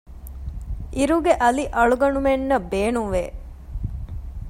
އިރުގެ އަލި އަޅުގަނޑުމެންނަށް ބޭނުން ވެ